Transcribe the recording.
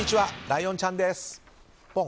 ライオンちゃんです。